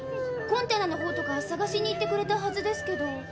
コンテナの方とかさがしに行ってくれたはずですけど。